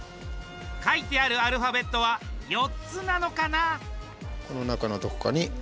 書いてあるアルファベットは４つなのかな？